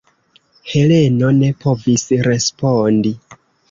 Heleno ne povis respondi.